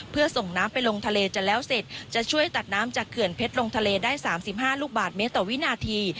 เพื่อส่งน้ำไปลงทะเลจะแล้วเสร็จจะช่วยตัดน้ำจากเขื่อนเพชรลงทะเลได้๓๕ลูกบาทเมตรต่อวินาที